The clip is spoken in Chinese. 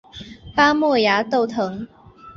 巴莫崖豆藤